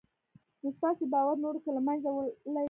نو ستاسې باور نورو کې له منځه وړلای شي